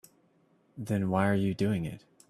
Then why are you doing it?